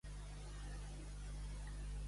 Fer l'ardidesa de.